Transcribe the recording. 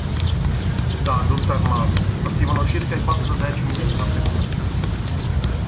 Da Durtar Malur partivano circa i quattro decimi delle rotte commerciali.